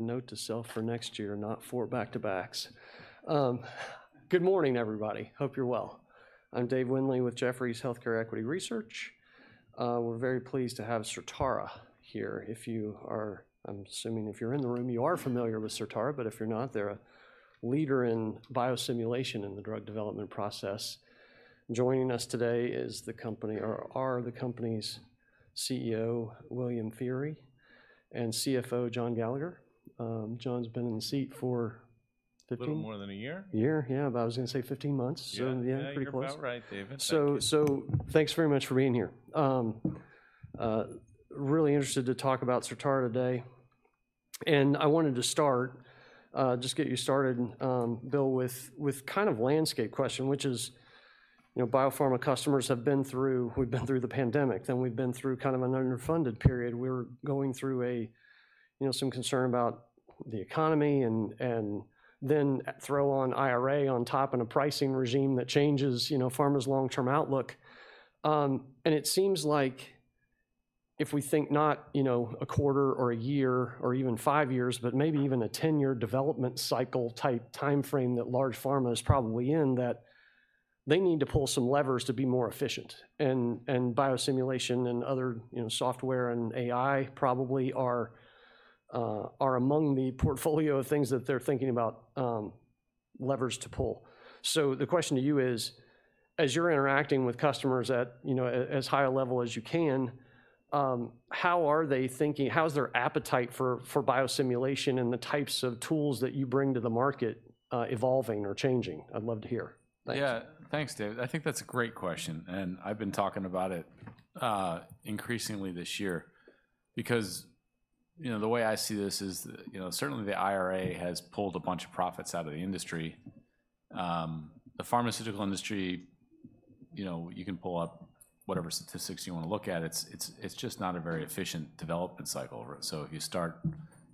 Note to self for next year, not 4 back-to-backs. Good morning, everybody. Hope you're well. I'm Dave Windley with Jefferies Healthcare Equity Research. We're very pleased to have Certara here. I'm assuming if you're in the room, you are familiar with Certara, but if you're not, they're a leader in biosimulation in the drug development process. Joining us today is the company, or are the company's CEO, William Feehery, and CFO, John Gallagher. John's been in the seat for 15- A little more than a year. A year, yeah, but I was gonna say 15 months. Yeah. Yeah, pretty close. You're about right, Dave. Thank you. So, thanks very much for being here. Really interested to talk about Certara today, and I wanted to start just get you started, Bill, with kind of landscape question, which is, you know, biopharma customers have been through—we've been through the pandemic, then we've been through kind of an underfunded period. We're going through a, you know, some concern about the economy and then throw on IRA on top and a pricing regime that changes, you know, pharma's long-term outlook. And it seems like if we think not, you know, a quarter or a year or even five years, but maybe even a 10-year development cycle type timeframe that large pharma is probably in, that they need to pull some levers to be more efficient. Biosimulation and other, you know, software and AI probably are among the portfolio of things that they're thinking about levers to pull. So the question to you is, as you're interacting with customers at, you know, as high a level as you can, how's their appetite for biosimulation and the types of tools that you bring to the market evolving or changing? I'd love to hear. Thanks. Yeah. Thanks, Dave. I think that's a great question, and I've been talking about it increasingly this year. Because, you know, the way I see this is, you know, certainly the IRA has pulled a bunch of profits out of the industry. The pharmaceutical industry, you know, you can pull up whatever statistics you wanna look at. It's just not a very efficient development cycle over it. So if you start,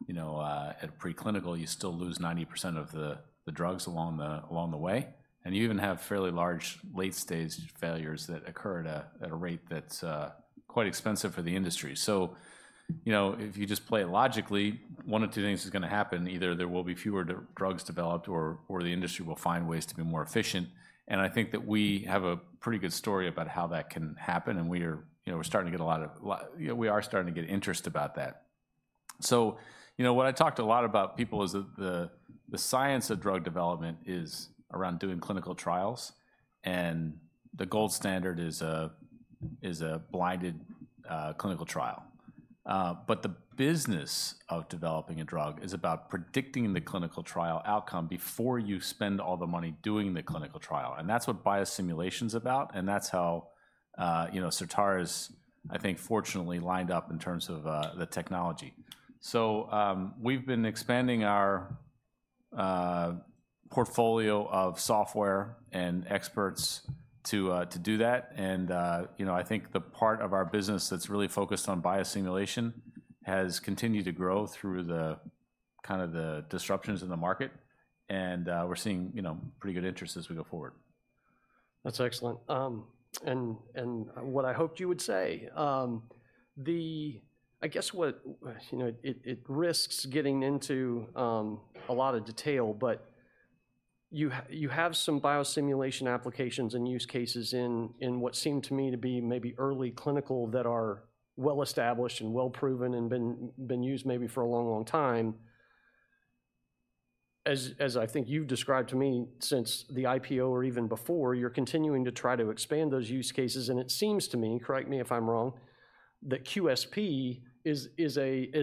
you know, at preclinical, you still lose 90% of the drugs along the way, and you even have fairly large late-stage failures that occur at a rate that's quite expensive for the industry. So, you know, if you just play it logically, one of two things is gonna happen. Either there will be fewer drugs developed or the industry will find ways to be more efficient, and I think that we have a pretty good story about how that can happen, and we are, you know, we're starting to get a lot of lo... You know, we are starting to get interest about that. So, you know, what I talked a lot about people is that the science of drug development is around doing clinical trials, and the gold standard is a blinded clinical trial. But the business of developing a drug is about predicting the clinical trial outcome before you spend all the money doing the clinical trial, and that's what biosimulation's about, and that's how, you know, Certara is, I think, fortunately lined up in terms of the technology. We've been expanding our portfolio of software and experts to do that, and you know, I think the part of our business that's really focused on biosimulation has continued to grow through the kind of disruptions in the market, and we're seeing you know, pretty good interest as we go forward. That's excellent. And what I hoped you would say. I guess, you know, it risks getting into a lot of detail, but you have some biosimulation applications and use cases in what seem to me to be maybe early clinical that are well-established and well-proven and been used maybe for a long, long time. As I think you've described to me, since the IPO or even before, you're continuing to try to expand those use cases, and it seems to me, correct me if I'm wrong, that QSP is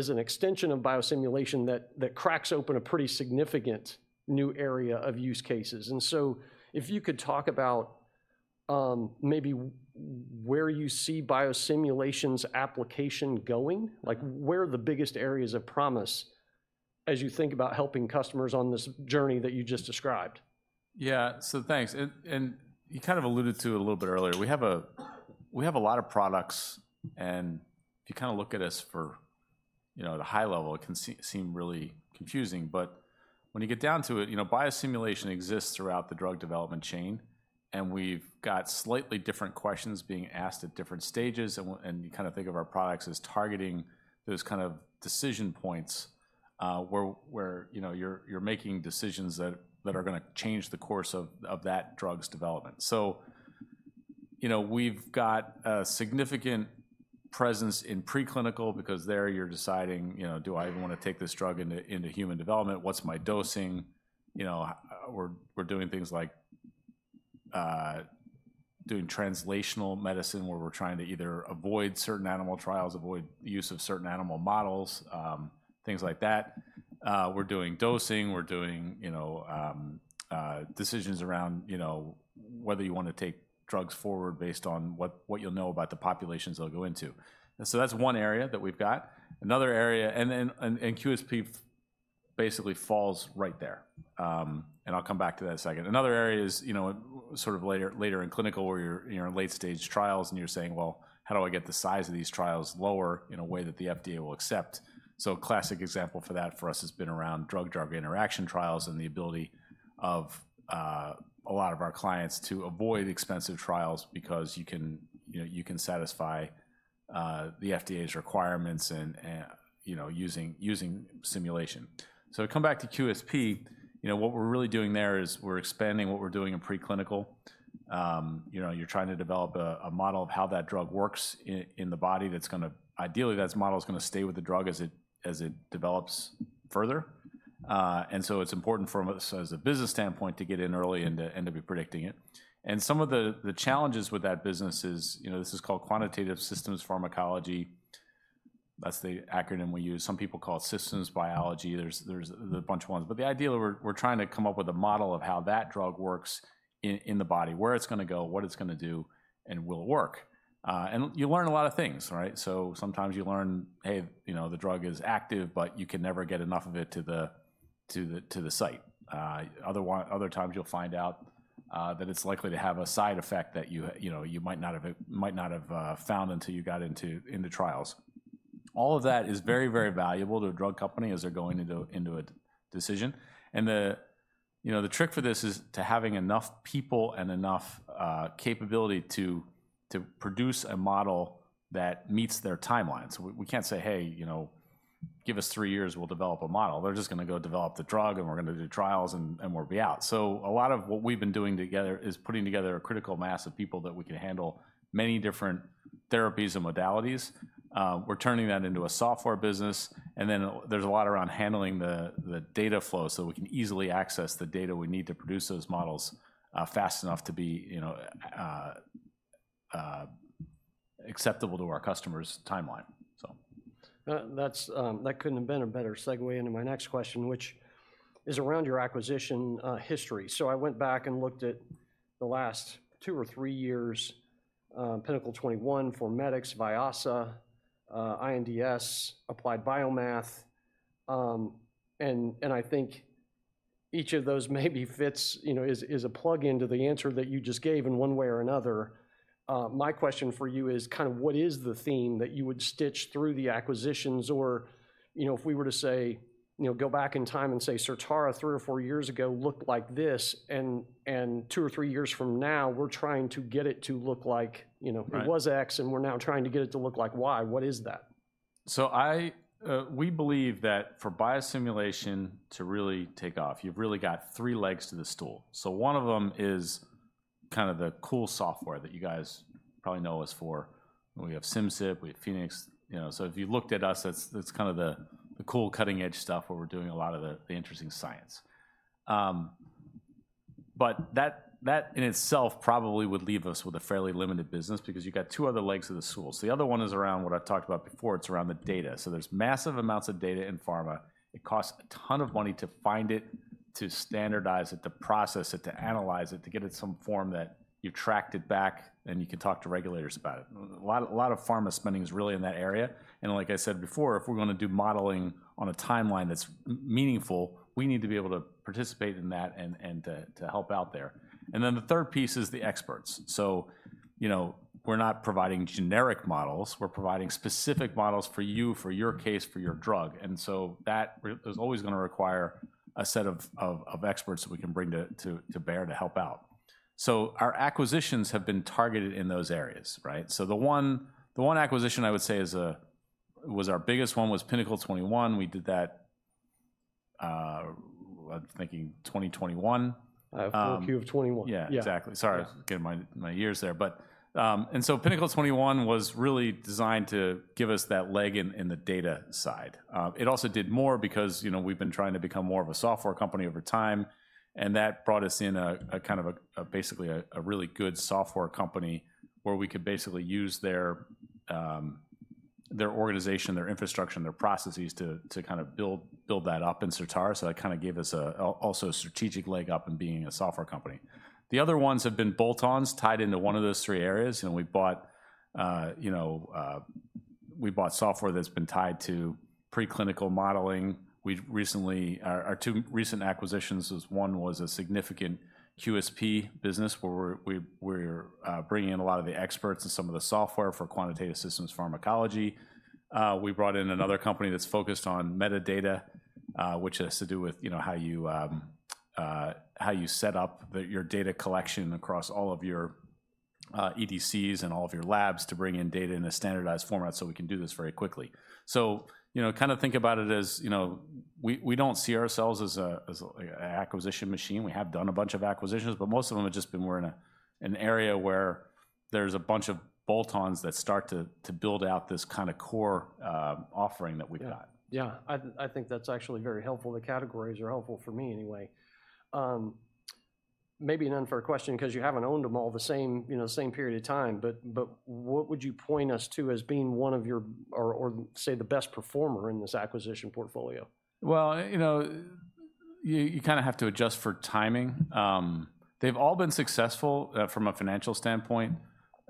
an extension of biosimulation that cracks open a pretty significant new area of use cases. And so if you could talk about, maybe where you see biosimulation's application going, like, where are the biggest areas of promise as you think about helping customers on this journey that you just described? Yeah. So thanks. You kind of alluded to it a little bit earlier. We have a lot of products, and if you kinda look at us for, you know, at a high level, it can seem really confusing. But when you get down to it, you know, biosimulation exists throughout the drug development chain, and we've got slightly different questions being asked at different stages, and you kind of think of our products as targeting those kind of decision points, where, you know, you're making decisions that are gonna change the course of that drug's development. So, you know, we've got a significant presence in preclinical because there you're deciding, you know, do I even wanna take this drug into human development? What's my dosing? You know, we're doing things like doing translational medicine, where we're trying to either avoid certain animal trials, avoid use of certain animal models, things like that. We're doing dosing, we're doing, you know, decisions around, you know, whether you want to take drugs forward based on what, what you'll know about the populations they'll go into. And so that's one area that we've got. Another area... And then QSP basically falls right there. And I'll come back to that in a second. Another area is, you know. Sort of later, later in clinical, where you're in late-stage trials, and you're saying, "Well, how do I get the size of these trials lower in a way that the FDA will accept?" So a classic example for that for us has been around drug-drug interaction trials and the ability of a lot of our clients to avoid expensive trials because you can, you know, you can satisfy the FDA's requirements and, you know, using simulation. So to come back to QSP, you know, what we're really doing there is we're expanding what we're doing in preclinical. You know, you're trying to develop a model of how that drug works in the body that's gonna—ideally, that model is gonna stay with the drug as it develops further. And so it's important from a—as a business standpoint, to get in early and to be predicting it. And some of the challenges with that business is, you know, this is called quantitative systems pharmacology. That's the acronym we use. Some people call it systems biology. There's a bunch of ones, but the idea we're trying to come up with a model of how that drug works in the body, where it's gonna go, what it's gonna do, and will it work? And you learn a lot of things, right? So sometimes you learn, hey, you know, the drug is active, but you can never get enough of it to the site. Other times you'll find out that it's likely to have a side effect that you, you know, you might not have, might not have found until you got into, in the trials. All of that is very, very valuable to a drug company as they're going into, into a decision. And the, you know, the trick for this is to having enough people and enough capability to, to produce a model that meets their timeline. So we, we can't say, "Hey, you know, give us 3 years, we'll develop a model." They're just gonna go develop the drug, and we're gonna do trials, and, and we'll be out. So a lot of what we've been doing together is putting together a critical mass of people that we can handle many different therapies and modalities. We're turning that into a software business, and then there's a lot around handling the data flow, so we can easily access the data we need to produce those models fast enough to be, you know, acceptable to our customer's timeline. So... That's that couldn't have been a better segue into my next question, which is around your acquisition history. So I went back and looked at the last two or three years, Pinnacle 21, Formedix, Vyasa, INDS, Applied BioMath. And I think each of those maybe fits, you know, is a plug-in to the answer that you just gave in one way or another. My question for you is kind of what is the theme that you would stitch through the acquisitions? Or, you know, if we were to say, you know, go back in time and say, Certara three or four years ago looked like this, and two or three years from now, we're trying to get it to look like, you know it was X, and we're now trying to get it to look like Y. What is that? So I, we believe that for biosimulation to really take off, you've really got three legs to the stool. So one of them is kind of the cool software that you guys probably know us for. We have Simcyp, we have Phoenix. You know, so if you looked at us, that's, that's kind of the, the cool, cutting edge stuff where we're doing a lot of the, the interesting science. But that, that in itself probably would leave us with a fairly limited business because you've got two other legs of the stool. So the other one is around what I've talked about before. It's around the data. So there's massive amounts of data in pharma. It costs a ton of money to find it, to standardize it, to process it, to analyze it, to get it in some form that you've tracked it back, and you can talk to regulators about it. A lot, a lot of pharma spending is really in that area, and like I said before, if we're gonna do modeling on a timeline that's meaningful, we need to be able to participate in that and to help out there. And then the third piece is the experts. So, you know, we're not providing generic models; we're providing specific models for you, for your case, for your drug. And so that requires a set of experts that we can bring to bear to help out. So our acquisitions have been targeted in those areas, right? So the one acquisition, I would say, was our biggest one, was Pinnacle 21. We did that, I'm thinking 2021. Q2 of 2021. Yeah. Exactly. Sorry, getting my years there. But, and so Pinnacle 21 was really designed to give us that leg in the data side. It also did more because, you know, we've been trying to become more of a software company over time, and that brought us in a kind of a basically a really good software company, where we could basically use their organization, their infrastructure, and their processes to kind of build that up in Certara. So that kind of gave us also a strategic leg up in being a software company. The other ones have been bolt-ons, tied into one of those three areas, and we bought, you know, we bought software that's been tied to preclinical modeling. We've recently our two recent acquisitions was, one was a significant QSP business, where we're bringing in a lot of the experts and some of the software for quantitative systems pharmacology. We brought in another company that's focused on metadata, which has to do with, you know, how you set up the your data collection across all of your EDCs and all of your labs to bring in data in a standardized format, so we can do this very quickly. So, you know, kind of think about it as, you know, we don't see ourselves as an acquisition machine. We have done a bunch of acquisitions, but most of them have just been we're in an area where there's a bunch of bolt-ons that start to build out this kind of core offering that we've got. Yeah. I think that's actually very helpful. The categories are helpful for me anyway. Maybe an unfair question because you haven't owned them all the same, you know, same period of time, but what would you point us to as being one of your... or say, the best performer in this acquisition portfolio? Well, you know, you, you kind of have to adjust for timing. They've all been successful from a financial standpoint.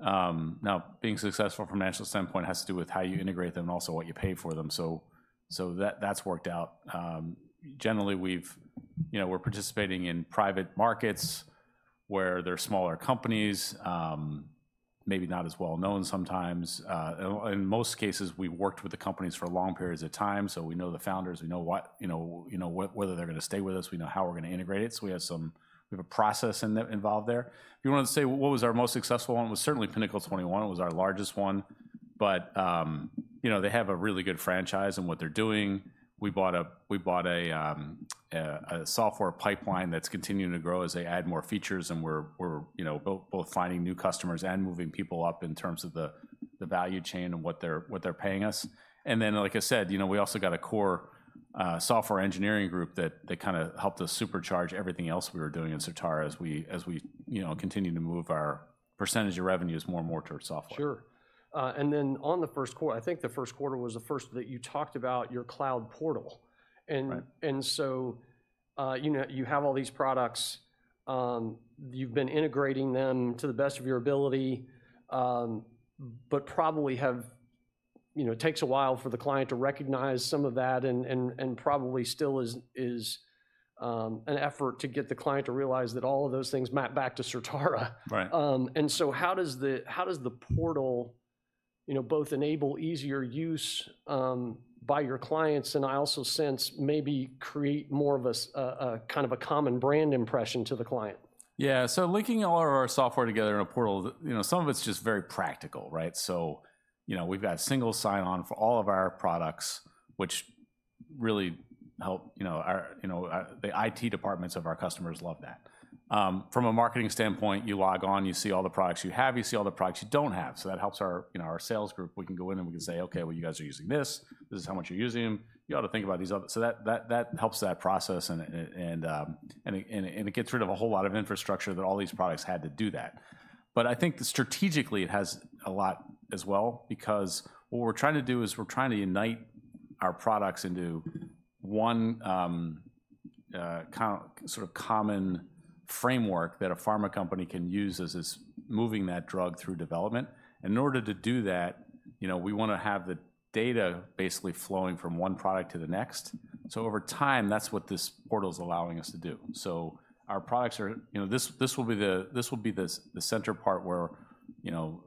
Now, being successful from a financial standpoint has to do with how you integrate them and also what you pay for them. So that, that's worked out. Generally, we've, you know, we're participating in private markets, where they're smaller companies, maybe not as well known sometimes. In most cases, we've worked with the companies for long periods of time, so we know the founders. We know what-- you know, you know, whe- whether they're gonna stay with us. We know how we're gonna integrate it, so we have a process in there, involved there. If you wanna say, what was our most successful one? It was certainly Pinnacle 21. It was our largest one, but you know, they have a really good franchise in what they're doing. We bought a software pipeline that's continuing to grow as they add more features, and we're you know, both finding new customers and moving people up in terms of the value chain and what they're paying us. And then, like I said, you know, we also got a core software engineering group that kinda helped us supercharge everything else we were doing in Certara as we you know, continued to move our percentage of revenues more and more towards software. Sure. And then on the first quarter, I think the first quarter was the first that you talked about your cloud portal. You know, you have all these products. You've been integrating them to the best of your ability, but probably have... You know, it takes a while for the client to recognize some of that, and probably still is an effort to get the client to realize that all of those things map back to Certara. And so how does the portal, you know, both enable easier use by your clients, and I also sense, maybe create more of a kind of a common brand impression to the client? Yeah, so linking all of our software together in a portal, you know, some of it's just very practical, right? So, you know, we've got single sign-on for all of our products, which really help, you know, our, you know, The IT departments of our customers love that. From a marketing standpoint, you log on, you see all the products you have, you see all the products you don't have, so that helps our, you know, our sales group. We can go in, and we can say, "Okay, well, you guys are using this. This is how much you're using them. You ought to think about these other..." So that helps that process, and it gets rid of a whole lot of infrastructure that all these products had to do that. But I think that strategically, it has a lot as well because what we're trying to do is we're trying to unite our products into one, sort of common framework that a pharma company can use as it's moving that drug through development. And in order to do that, you know, we wanna have the data basically flowing from one product to the next. So over time, that's what this portal's allowing us to do. So our products are... You know, this, this will be the, this will be the center part, where, you know,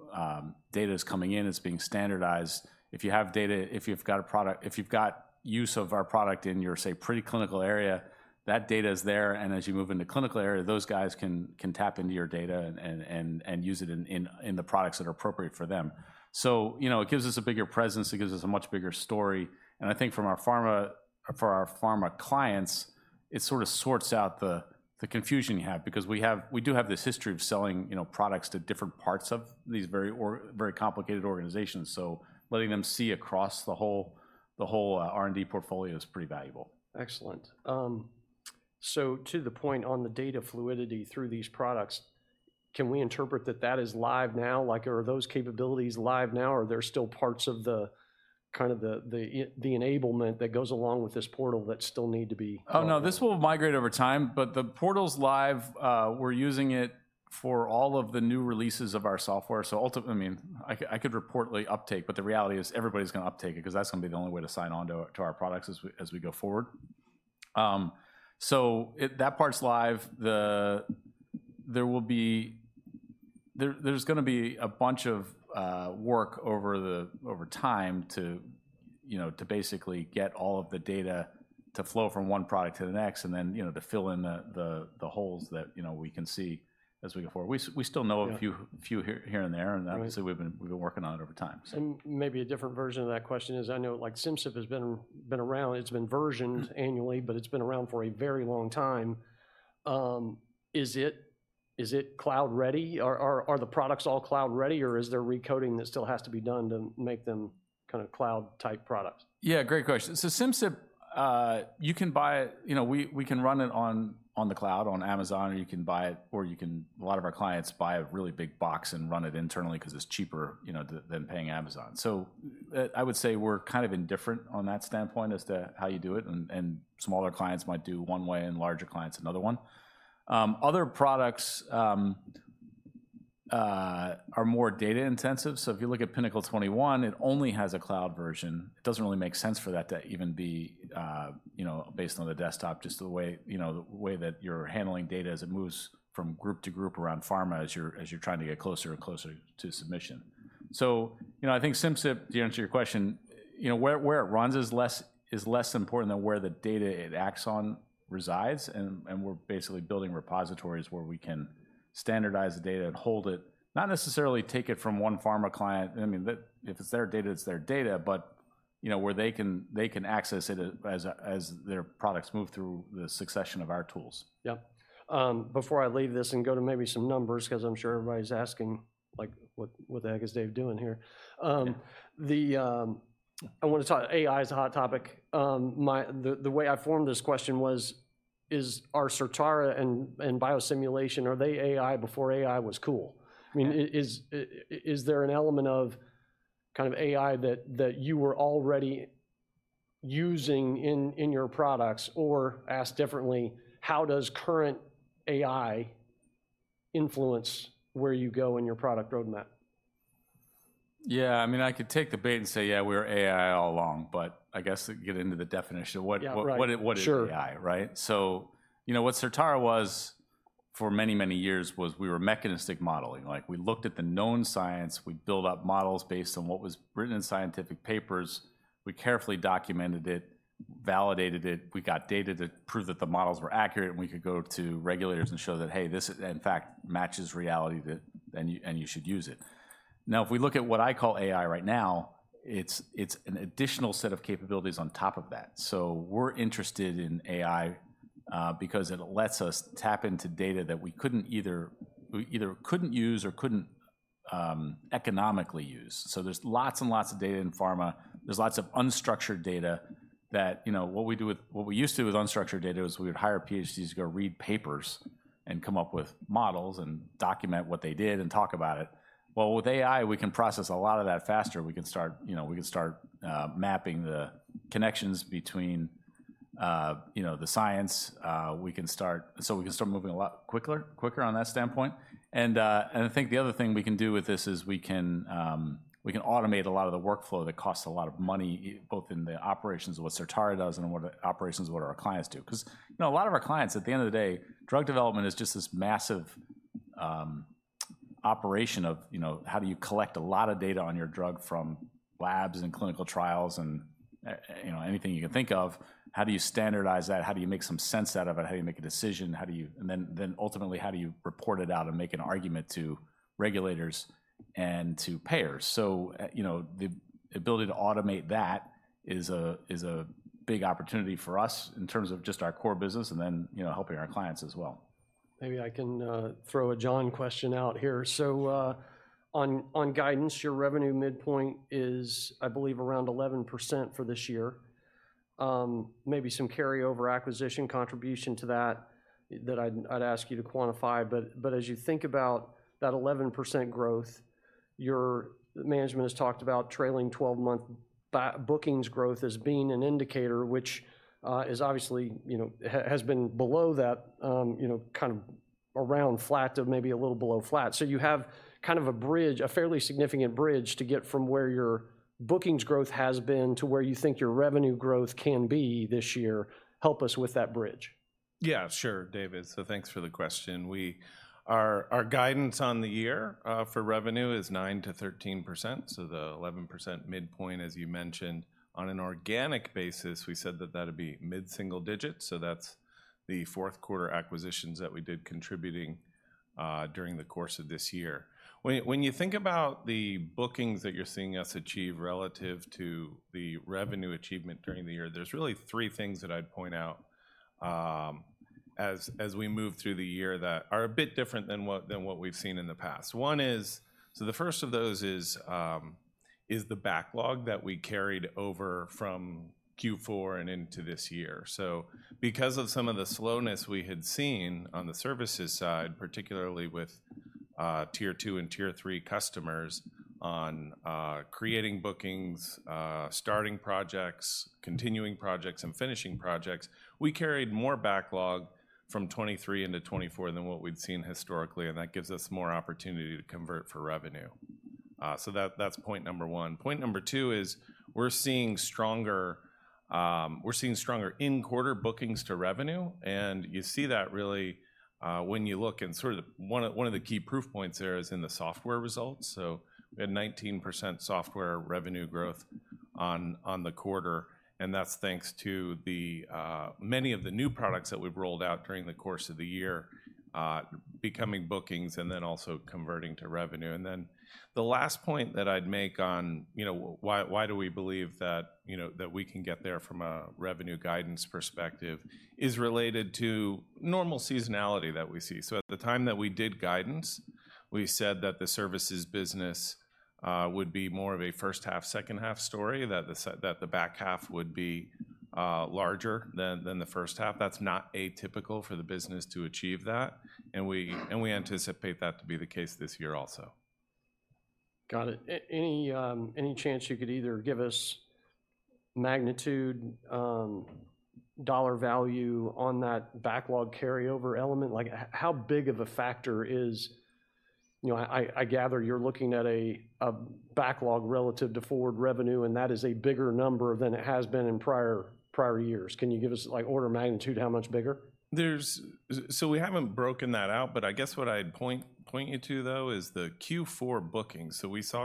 data is coming in, it's being standardized. If you have data, if you've got a product, if you've got use of our product in your, say, preclinical area, that data is there, and as you move into clinical area, those guys can tap into your data and use it in the products that are appropriate for them. So, you know, it gives us a bigger presence. It gives us a much bigger story, and I think from our pharma, for our pharma clients, it sort of sorts out the confusion you have. Because we do have this history of selling, you know, products to different parts of these very complicated organizations. So letting them see across the whole R&D portfolio is pretty valuable. Excellent. So to the point on the data fluidity through these products, can we interpret that that is live now? Like, are those capabilities live now, or are there still parts of the, kind of, the enablement that goes along with this portal that still need to be. Oh, no, this will migrate over time, but the portal's live. We're using it for all of the new releases of our software, so I mean, I could report late uptake, but the reality is, everybody's gonna uptake it, 'cause that's gonna be the only way to sign on to our products as we go forward. So that part's live. There will be... There's gonna be a bunch of work over time to, you know, to basically get all of the data to flow from one product to the next, and then, you know, to fill in the holes that, you know, we can see as we go forward. We still know a few here and there, and obviously we've been working on it over time, so. Maybe a different version of that question is, I know, like, Simcyp has been around, it's been versioned annually, but it's been around for a very long time. Is it cloud-ready? Or are the products all cloud-ready, or is there recoding that still has to be done to make them kind of cloud-type products? Yeah, great question. So Simcyp, you can buy it... You know, we can run it on the cloud, on Amazon, or you can buy it, or you can, a lot of our clients buy a really big box and run it internally 'cause it's cheaper, you know, than paying Amazon. So I would say we're kind of indifferent on that standpoint as to how you do it, and smaller clients might do one way, and larger clients, another one. Other products are more data-intensive. So if you look at Pinnacle 21, it only has a cloud version. It doesn't really make sense for that to even be, you know, based on the desktop, just the way, you know, the way that you're handling data as it moves from group to group around pharma as you're, as you're trying to get closer and closer to submission. So, you know, I think Simcyp, to answer your question, you know, where, where it runs is less, is less important than where the data it acts on resides, and, and we're basically building repositories where we can standardize the data and hold it. Not necessarily take it from one pharma client. I mean, that if it's their data, it's their data, but, you know, where they can, they can access it as their products move through the succession of our tools. Yeah. Before I leave this and go to maybe some numbers, 'cause I'm sure everybody's asking, like, "What, what the heck is Dave doing here?" I wanna talk, AI is a hot topic. The way I formed this question was, are Certara and biosimulation AI before AI was cool? I mean, is there an element of kind of AI that you were already using in your products, or asked differently, how does current AI influence where you go in your product roadmap? Yeah, I mean, I could take the bait and say, "Yeah, we were AI all along," but I guess get into the definition of what- Yeah, right. What is AI? Sure. Right. So, you know, what Certara was for many, many years was we were mechanistic modeling. Like, we looked at the known science, we'd build up models based on what was written in scientific papers. We carefully documented it, validated it. We got data to prove that the models were accurate, and we could go to regulators and show that, "Hey, this, in fact, matches reality, that, and you, and you should use it." Now, if we look at what I call AI right now, it's an additional set of capabilities on top of that. So we're interested in AI because it lets us tap into data that we either couldn't use or couldn't economically use. So there's lots and lots of data in pharma. There's lots of unstructured data that, you know, what we used to do with unstructured data was we would hire PhDs to go read papers and come up with models and document what they did and talk about it. Well, with AI, we can process a lot of that faster. We can start, you know, mapping the connections between, you know, the science. So we can start moving a lot quicker, quicker on that standpoint. And, and I think the other thing we can do with this is we can automate a lot of the workflow that costs a lot of money, both in the operations of what Certara does and what our clients do. 'Cause, you know, a lot of our clients, at the end of the day, drug development is just this massive operation of, you know, how do you collect a lot of data on your drug from labs and clinical trials, and, you know, anything you can think of? How do you standardize that? How do you make some sense out of it? How do you make a decision? And then ultimately, how do you report it out and make an argument to regulators and to payers? So, you know, the ability to automate that is a big opportunity for us in terms of just our core business and then, you know, helping our clients as well. Maybe I can throw a John question out here. So, on guidance, your revenue midpoint is, I believe, around 11% for this year. Maybe some carryover acquisition contribution to that that I'd ask you to quantify. But as you think about that 11% growth, your management has talked about trailing twelve-month bookings growth as being an indicator, which is obviously, you know, has been below that, you know, kind of around flat to maybe a little below flat. So you have kind of a bridge, a fairly significant bridge to get from where your bookings growth has been to where you think your revenue growth can be this year. Help us with that bridge. Yeah, sure, David. So thanks for the question. Our guidance on the year for revenue is 9%-13%, so the 11% midpoint, as you mentioned. On an organic basis, we said that that'd be mid-single digits, so that's the fourth quarter acquisitions that we did contributing during the course of this year. When you think about the bookings that you're seeing us achieve relative to the revenue achievement during the year, there's really 3 things that I'd point out as we move through the year that are a bit different than what we've seen in the past. One is. So the first of those is the backlog that we carried over from Q4 and into this year. So because of some of the slowness we had seen on the services side, particularly with tier two and tier three customers on creating bookings, starting projects, continuing projects, and finishing projects, we carried more backlog from 2023 into 2024 than what we'd seen historically, and that gives us more opportunity to convert for revenue. So that's point number one. Point number two is we're seeing stronger, we're seeing stronger in-quarter bookings to revenue, and you see that really when you look in sort of the... One of, one of the key proof points there is in the software results. So we had 19% software revenue growth on the quarter, and that's thanks to the many of the new products that we've rolled out during the course of the year, becoming bookings and then also converting to revenue. The last point that I'd make on, you know, why do we believe that, you know, that we can get there from a revenue guidance perspective is related to normal seasonality that we see. At the time that we did guidance, we said that the services business would be more of a first-half, second-half story, that the back half would be larger than the first half. That's not atypical for the business to achieve that, and we anticipate that to be the case this year also. Got it. Any chance you could either give us magnitude, dollar value on that backlog carryover element? Like, how big of a factor is... You know, I gather you're looking at a backlog relative to forward revenue, and that is a bigger number than it has been in prior, prior years. Can you give us, like, order of magnitude, how much bigger? So we haven't broken that out, but I guess what I'd point you to, though, is the Q4 bookings. So we saw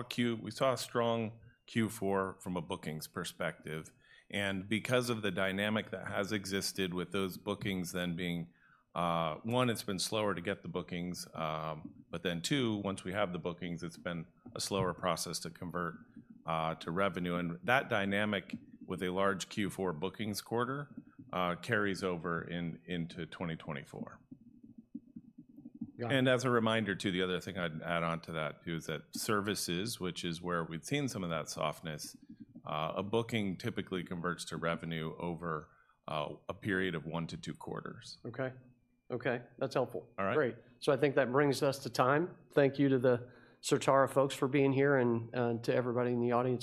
a strong Q4 from a bookings perspective, and because of the dynamic that has existed with those bookings then being, one, it's been slower to get the bookings, but then, two, once we have the bookings, it's been a slower process to convert to revenue. And that dynamic with a large Q4 bookings quarter carries over into 2024. As a reminder, too, the other thing I'd add on to that, too, is that services, which is where we've seen some of that softness, a booking typically converts to revenue over a period of 1-2 quarters. Okay. Okay, that's helpful. All right. Great. So I think that brings us to time. Thank you to the Certara folks for being here and to everybody in the audience.